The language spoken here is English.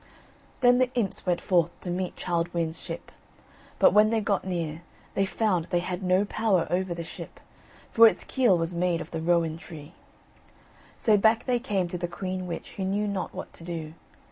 Then the imps went forth to meet Childe Wynd's ship, but when they got near, they found they had no power over the ship, for its keel was made of the rowan tree. So back they came to the queen witch, who knew not what to do.